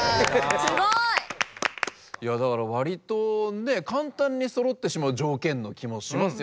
すごい！割と簡単にそろってしまう条件の気もしますよね。